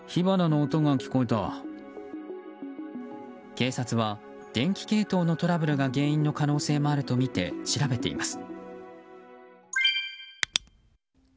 警察は電気系統のトラブルが原因の可能性もあるとみて調べています。